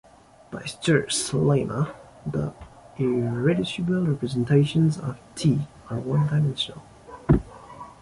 By Schur's lemma, the irreducible representations of "T" are one dimensional.